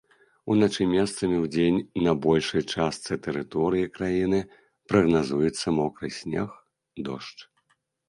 Уначы месцамі, удзень на большай частцы тэрыторыі краіны прагназуецца мокры снег, дождж.